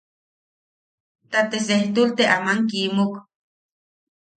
Ta te sejtul te aman kiimuk.